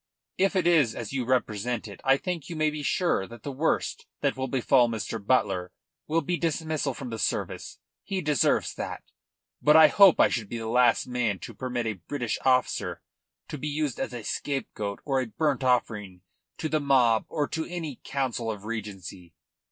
If it is as you represent it, I think you may be sure that the worst that will befall Mr. Butler will be dismissal from the service. He deserves that. But I hope I should be the last man to permit a British officer to be used as a scapegoat or a burnt offering to the mob or to any Council of Regency.